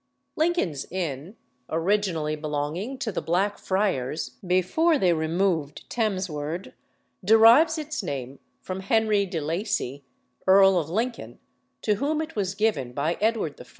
Lincoln's Inn, originally belonging to the Black Friars before they removed Thames ward, derives its name from Henry de Lacy, Earl of Lincoln, to whom it was given by Edward I.